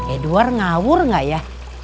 edward ngawur gak ya